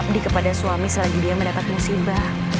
dikepada suami selagi dia mendapat musibah